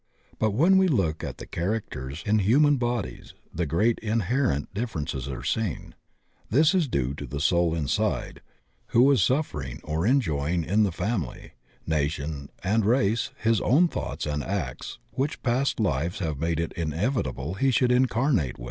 But when we look at the characters in human bodies, great in herent differences are seen. This is due to the soul inside, who is suffering or enjoying in the family, nation, and race his own thoughts and acts which past lives have made it inevitable he should incarnate wiA.